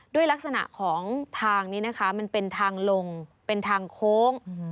ด้วยลักษณะของทางนี้นะคะมันเป็นทางลงเป็นทางโค้ง